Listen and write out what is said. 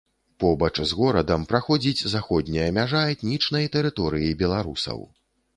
Побач з горадам праходзіць заходняя мяжа этнічнай тэрыторыі беларусаў.